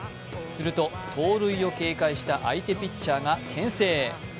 すると盗塁を警戒した相手ピッチャーがけん制。